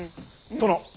殿。